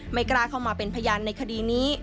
ไม่กล้าเข้ามาเป็นพยานในคดีนี้